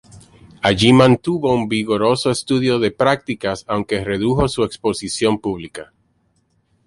Allí mantuvo un vigoroso estudio de prácticas, aunque redujo su exposición pública.